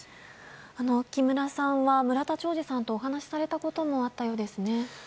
木村さんは、村田兆治さんとお話されたこともあったようですね。